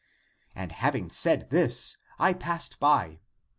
' And having said this, I passed by.